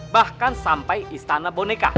bahkan sampai istana boneka